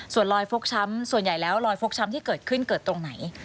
ส่วนรอยฟกช้ำส่วนใหญ่แล้วรอยฟกช้ำที่เกิดขึ้นเกิดตรงไหน